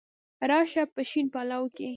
را شه په شین پلو کي